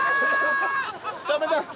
ダメだ。